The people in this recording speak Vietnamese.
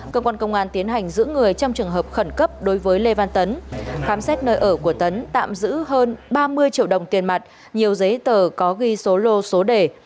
cơ quan công an tiến hành giữ người trong trường hợp khẩn cấp đối với lê văn tấn khám xét nơi ở của tấn tạm giữ hơn ba mươi triệu đồng tiền mặt nhiều giấy tờ có ghi số lô số đề